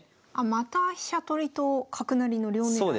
また飛車取りと角成りの両狙い。